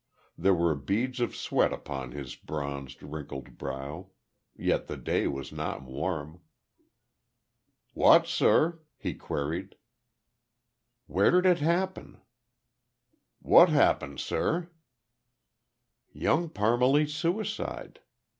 There were beads of sweat upon his bronzed, wrinkled brow. Yet the day was not warm. "Wot, sir?" he queried. "Where did it happen?" "Wot happen sir?" "Young Parmalee's suicide."